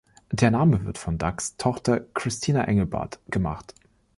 Der Name wurde von Dougs Tochter Christina Engelbart gemacht.